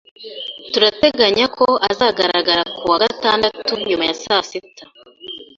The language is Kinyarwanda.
Turateganya ko azagaragara ku wa gatandatu nyuma ya saa sita.